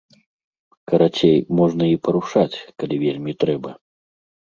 Карацей, можна і парушаць, калі вельмі трэба.